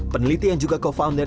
peneliti yang juga co founder